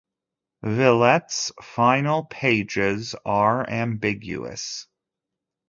"Villette"'s final pages are ambiguous.